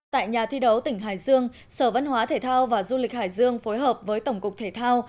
tại nhà thi đấu tỉnh hải dương sở văn hóa thể thao và du lịch hải dương phối hợp với tổng cục thể thao